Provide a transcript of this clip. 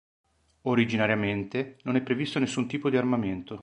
Originariamente non è previsto nessun tipo di armamento.